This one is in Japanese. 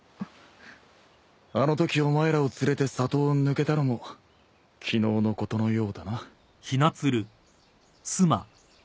あのときお前らを連れて里を抜けたのも昨日のことのようだな。